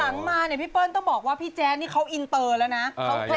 หลังมาเนี่ยพี่เปิ้ลต้องบอกว่าพี่แจ๊ดนี่เขาอินเตอร์แล้วนะ